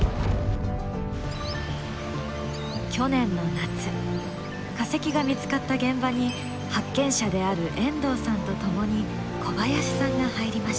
去年の夏化石が見つかった現場に発見者である遠藤さんと共に小林さんが入りました。